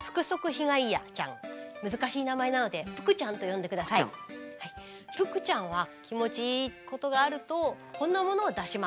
腹ちゃんは気持ちいいことがあるとこんなものを出します。